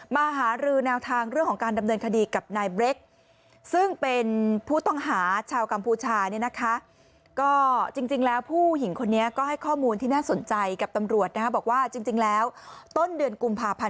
มาหารืนาวทางเรื่องของการดำเนินคดีกับนายเบรก